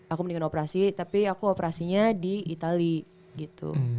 aku mendingan operasi tapi aku operasinya di itali gitu